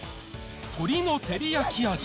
鶏の照り焼き味。